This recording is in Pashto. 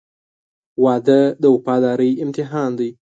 • واده د وفادارۍ امتحان دی.